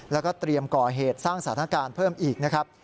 แล้วก็เตรียมก่อเหตุสร้างสถานการณ์เพิ่มอีกนะครับ